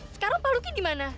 sekarang pak luki dimana